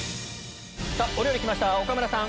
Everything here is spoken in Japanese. お料理来ました岡村さん。